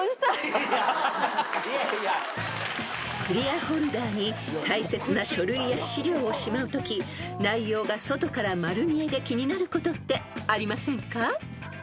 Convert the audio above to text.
［クリアホルダーに大切な書類や資料をしまうとき内容が外から丸見えで気になることってありませんか？］